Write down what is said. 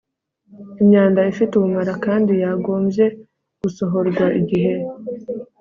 Imyanda ifite ubumara kandi yagombye gusohorwa igihe